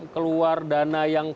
keluar dana yang